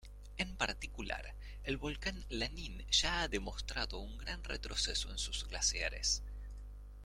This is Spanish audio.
En particular, el Volcán Lanín ya ha demostrado un retroceso en sus glaciares.